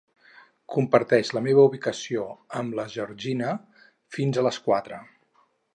Comparteix la meva ubicació amb la Georgina fins a les quatre.